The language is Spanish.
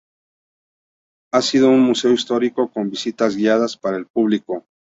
Ha sido un museo histórico con visitas guiadas para el público.